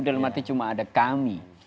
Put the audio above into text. dalam arti cuma ada kami